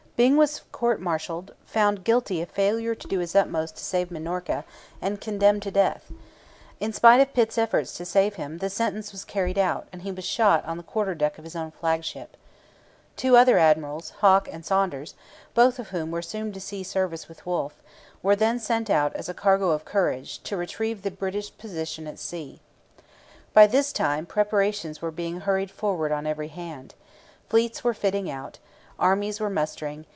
Byng was court martialled, found guilty of failure to do his utmost to save Minorca, and condemned to death. In spite of Pitt's efforts to save him, the sentence was carried out and he was shot on the quarter deck of his own flagship. Two other admirals, Hawke and Saunders, both of whom were soon to see service with Wolfe, were then sent out as a 'cargo of courage' to retrieve the British position at sea. By this time preparations were being hurried forward on every hand. Fleets were fitting out. Armies were mustering.